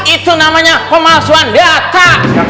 itu namanya pemalsuan data